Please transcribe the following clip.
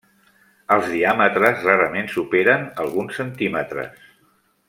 Els diàmetres rarament superen alguns centímetres.